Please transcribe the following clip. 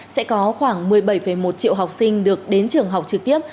sẽ có khoảng một mươi bảy một triệu học sinh được đến trường học trực tiếp